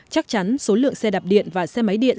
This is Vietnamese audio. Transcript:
chắc chắn số lượng xe đạp điện và xe máy điện